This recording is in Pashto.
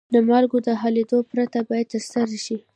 د مالګو د حلیدو پرتله باید ترسره شي.